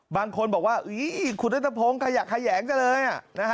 บางคนบอกว่าอุ๊ยขุดน้ำตะโพงขยักขยังจังเลย